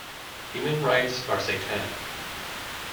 Human rights are satanic!